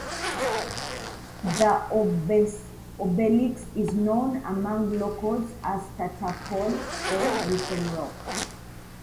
The obelisk is known among locals as "Tatar Pole" or "Written Rock".